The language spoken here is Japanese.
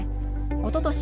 おととし